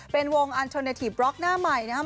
เป็นวงอันโทเนทีฟบล็อกหน้าใหม่นะครับ